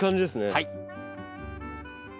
はい！